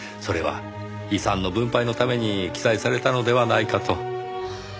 それは遺産の分配のために記載されたのではないかと。